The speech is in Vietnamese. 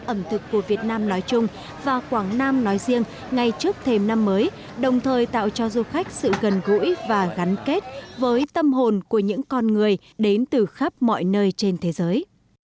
ẩm thực của việt nam nói chung và quảng nam nói riêng ngay trước thêm năm mới đồng thời tạo cho du khách sự gần gũi và gắn kết với tâm hồn của những con người đến từ khắp mọi nơi trên thế giới